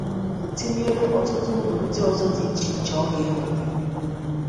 tinyere ọtụtụ uru ndị ọzọ dị icheiche ọ ga-eweta.